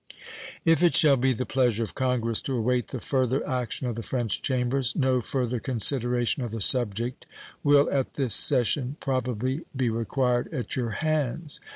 If it shall be the pleasure of Congress to await the further action of the French Chambers, no further consideration of the subject will at this session probably be required at your hands.